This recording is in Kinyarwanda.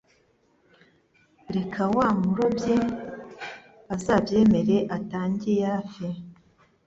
Reka wa umurobyi azabyemere atange ya fi!